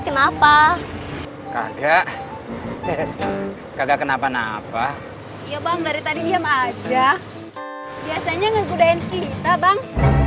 kenapa kagak kenapa napa ya bang dari tadi diam aja biasanya ngebudayain kita bang